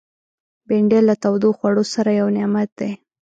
بېنډۍ له تودو خوړو سره یو نعمت دی